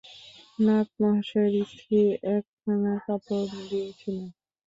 নাগ-মহাশয়ের স্ত্রী একখানা কাপড় দিয়েছিলেন।